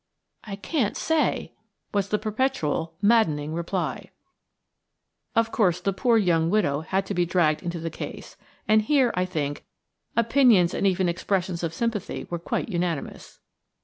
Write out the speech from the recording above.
"I can't say," was the perpetual, maddening reply. Of course the poor young widow had to be dragged into the case, and here, I think, opinions and even expressions of sympathy were quite unanimous.